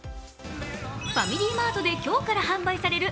ファミリーマートで今日から販売される